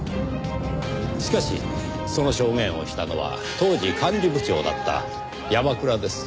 しかしその証言をしたのは当時管理部長だった山倉です。